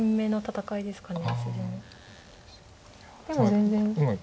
でも全然。